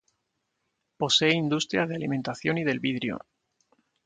Posee industrias de alimentación y del vidrio.